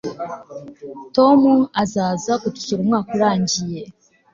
tom azaza kudusura umwaka urangiye